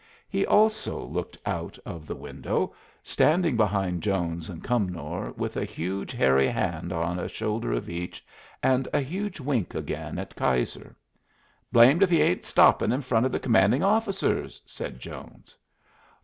He also looked out of the window, standing behind Jones and Cumnor, with a huge hairy hand on a shoulder of each, and a huge wink again at Keyser. "Blamed if he 'ain't stopped in front of the commanding officer's," said Jones.